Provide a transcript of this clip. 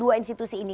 dua institusi ini